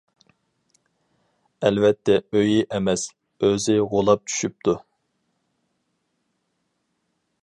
ئەلۋەتتە ئۆيى ئەمەس، ئۆزى غۇلاپ چۈشۈپتۇ.